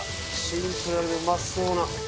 シンプルにうまそうな。